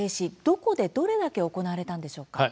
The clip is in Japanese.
どこで、どれだけ行われたんでしょうか？